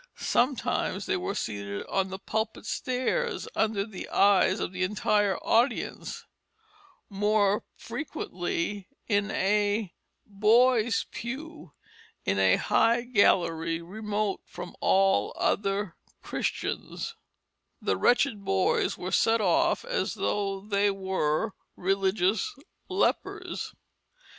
Sometimes they were seated on the pulpit stairs, under the eyes of the entire audience; more frequently in a "boys pue" in a high gallery remote from all other Christians, the "wretched boys" were set off as though they were religious lepers.